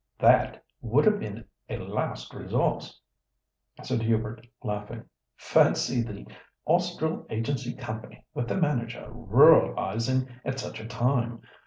"That would have been a last resource," said Hubert, laughing. "Fancy the Austral Agency Company, with the manager ruralising at such a time!